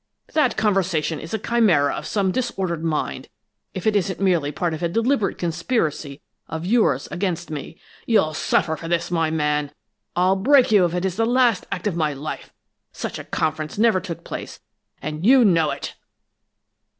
That conversation is a chimera of some disordered mind, if it isn't merely part of a deliberate conspiracy of yours against me! You'll suffer for this, my man! I'll break you if it is the last act of my life! Such a conference never took place, and you know it!"